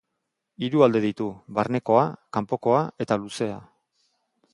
Hiru alde ditu: barnekoa, kanpokoa eta luzea.